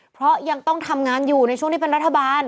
เพราะยังต้องทำงานอยู่ในช่วงที่เป็นรัฐบาล